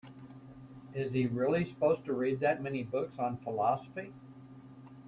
Is he really supposed to read that many books on philosophy?